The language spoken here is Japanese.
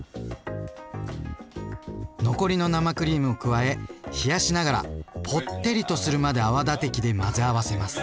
残りの生クリームを加え冷やしながらぽってりとするまで泡立て器で混ぜ合わせます。